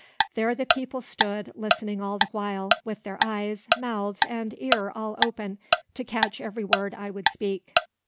There the people stood, listening all the while, with their eyes, mouths and ear all open, to catch every word I would speak.